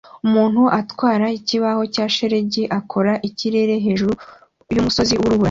Umuntu atwara ikibaho cya shelegi akora ikirere hejuru yumusozi wurubura